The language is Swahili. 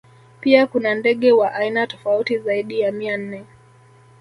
Pia kuna ndege wa aina tofauti zaidi ya mia nne